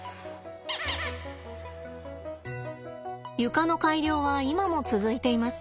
床の改良は今も続いています。